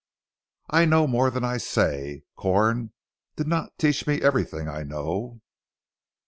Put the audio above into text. "I know more than I say. Corn did not teach me everything I know!